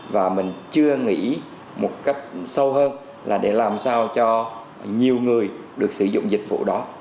và mình chưa nghĩ một cách sâu hơn là để làm sao cho nhiều người được sử dụng dịch vụ đó